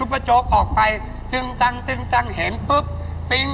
ก็ไม่ค่อย